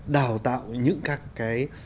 đào tạo những các cái